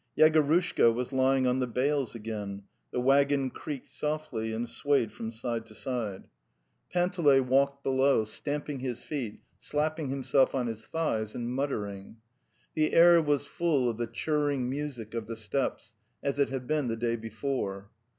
Yegorushka was lying on the bales again; the waggon creaked softly and swayed from side to side. 242 The Tales of Chekhov Panteley walked below, stamping his feet, slapping himself on his thighs and muttering. The air was full of the churring music of the steppes, as it had been the day before.